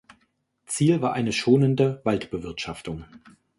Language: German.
Ziel war eine schonende Waldbewirtschaftung.